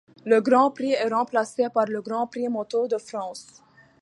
Le grand prix est remplacé par le Grand Prix moto de France.